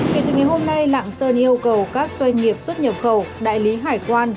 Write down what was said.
kể từ ngày hôm nay lạng sơn yêu cầu các doanh nghiệp xuất nhập khẩu đại lý hải quan